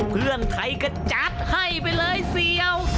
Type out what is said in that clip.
เพื่อนไทยก็จัดให้ไปเลยเสียว